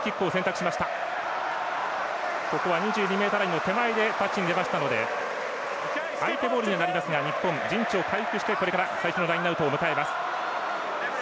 ２２ｍラインで出ましたので相手ボールになりますが日本、陣地を回復してこれから最初のラインアウトを迎えます。